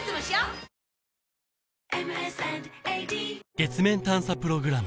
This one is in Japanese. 月面探査プログラム